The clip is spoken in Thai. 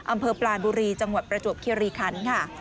อำเภอปลานบุรีจังหวัดประจวบคิริคันค่ะ